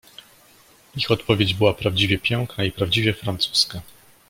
"Ich odpowiedź była prawdziwie piękna i prawdziwie francuska."